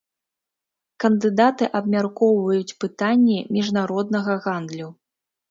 Кандыдаты абмяркоўваюць пытанні міжнароднага гандлю.